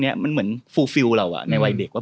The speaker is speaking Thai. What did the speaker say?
ไม่แต่มันมีหลายอย่างประกอบกัน